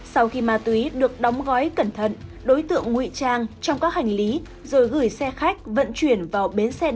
sau khi ma túy được đóng gói cẩn thận đối tượng ngụy trang trong các hành lý rồi gửi xe khách vận chuyển vào bến xe